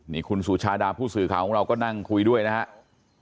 นี่คุณสุชาดาผู้สื่อข่าวของเราก็นั่งคุยด้วยนะครับ